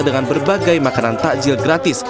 dengan berbagai makanan takjil gratis